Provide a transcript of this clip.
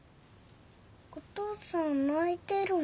お父さん泣いてるの？